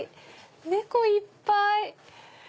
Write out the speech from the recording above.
猫いっぱい！